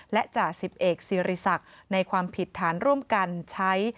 และจ่าสิบเอกสิริศักดิ์ในความผิดฐานร่วมกันใช้